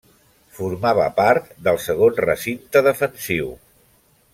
Formava part del segon recinte defensiu.